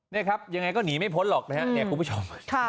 นี่ครับยังไงก็หนีไม่พ้นหรอกนะครับเนี่ยคุณผู้ชม